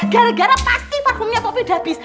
gara gara pasti parfumnya poppy udah abis